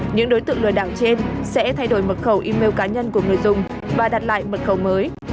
những đối tượng lừa đảo trên sẽ thay đổi mật khẩu email cá nhân của người dùng và đặt lại mật khẩu mới